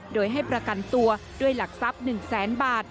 โดยให้ประกันตัวด้วยหลักทรัพย์๑แสนบาท